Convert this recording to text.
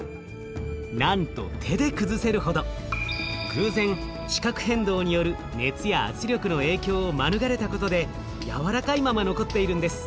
偶然地殻変動による熱や圧力の影響を免れたことでやわらかいまま残っているんです。